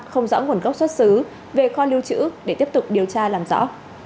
không rõ nguồn gốc xuất xứ về kho lưu trữ để tiếp tục điều tra làm rõ